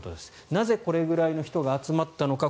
なぜこれくらいの人が集まったのか。